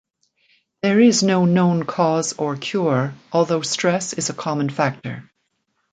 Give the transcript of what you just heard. There is no known cause or cure although stress is a common factor.